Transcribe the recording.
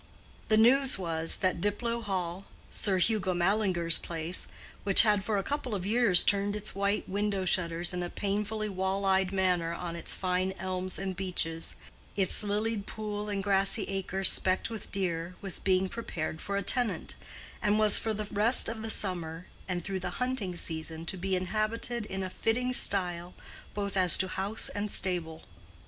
The news was that Diplow Hall, Sir Hugo Mallinger's place, which had for a couple of years turned its white window shutters in a painfully wall eyed manner on its fine elms and beeches, its lilied pool and grassy acres specked with deer, was being prepared for a tenant, and was for the rest of the summer and through the hunting season to be inhabited in a fitting style both as to house and stable.